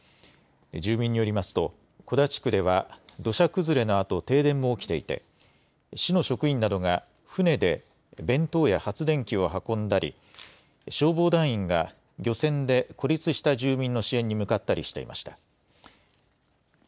住民によりますと、小田地区では土砂崩れのあと停電も起きていて、市の職員などが船で弁当や発電機を運んだり、消防団員が漁船で孤立した住民の支援に向かったりしていました。